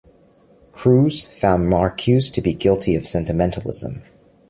Crews found Marcuse to be guilty of sentimentalism.